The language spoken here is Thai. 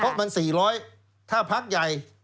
เพราะมัน๔๐๐ถ้าพักใหญ่